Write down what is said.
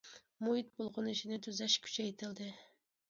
مۇھىت بۇلغىنىشىنى تۈزەش كۈچەيتىلدى.